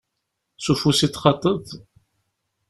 S ufus i t-txaḍeḍ?